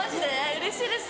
うれしいです。